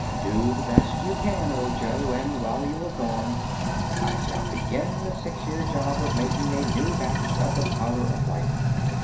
Do the best you can, Ojo, and while you are gone I shall begin the six years job of making a new batch of the Powder of Life.